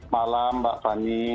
malam mbak fanny